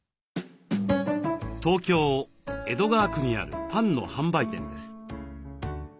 東京・江戸川区にあるパンの販売店です。